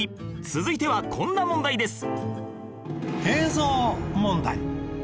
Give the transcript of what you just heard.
続いてはこんな問題です